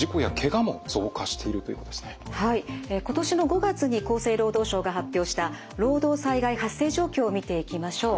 今年の５月に厚生労働省が発表した労働災害発生状況を見ていきましょう。